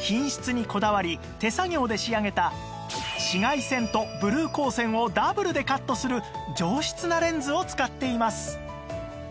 品質にこだわり手作業で仕上げた紫外線とブルー光線をダブルでカットする上質なレンズを使っています